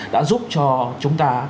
đã giúp cho chúng ta